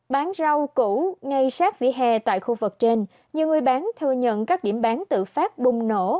bán rau cũ ngay sát vỉa hè tại khu vực trên nhiều người bán thừa nhận các điểm bán tự phát bùng nổ